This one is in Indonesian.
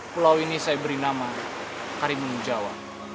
pulau ini saya beri nama karimun jawa